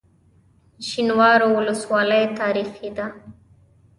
شینوارو ولسوالۍ تاریخي ده؟